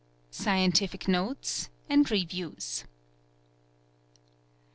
Scientific notes, and reviews.